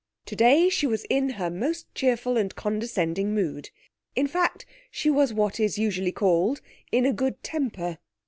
Today she was in her most cheerful and condescending mood, in fact she was what is usually called in a good temper.